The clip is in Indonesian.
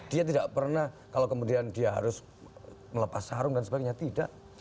dia tidak pernah kalau kemudian dia harus melepas sarung dan sebagainya tidak